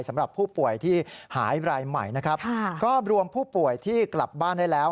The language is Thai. สำหรับผู้ป่วยที่หายรายใหม่นะครับก็รวมผู้ป่วยที่กลับบ้านได้แล้ว